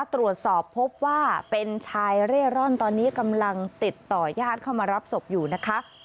ตรวจสอบพบว่าเป็นชายเร่ร่อนตอนนี้กำลังติดต่อยาดเข้ามารับศพอยู่นะคะ